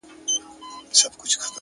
پرمختګ د وېرې تر پولې هاخوا وي,